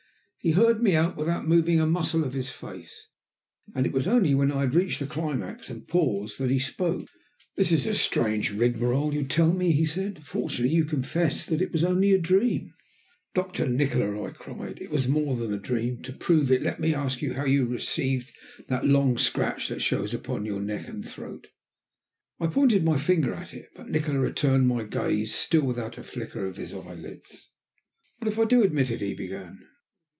He heard me out without moving a muscle of his face, and it was only when I had reached the climax and paused that he spoke. "This is a strange rigmarole you tell me," he said. "Fortunately you confess that it was only a dream." "Doctor Nikola," I cried, "it was more than a dream. To prove it, let me ask you how you received that long scratch that shows upon your neck and throat?" I pointed my finger at it, but Nikola returned my gaze still without a flicker of his eyelids. "What if I do admit it?" he began.